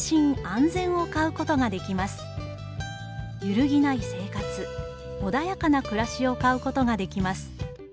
揺るぎない生活、穏やかな暮しを買うことができます。